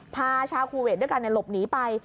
พาชาวคูเวทด้วยกันหลบหนีไป